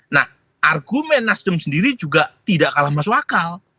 nah argumen nasdem sendiri juga tidak kalah masuk akal